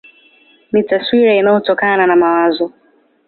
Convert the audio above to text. Ni taswira inayotokana na mawazo.